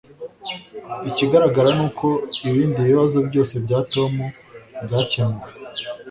Ikigaragara ni uko ibindi bibazo byose bya Tom byakemuwe.